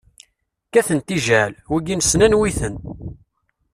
Kkaten tijɛal, wigi nessen anwi-ten.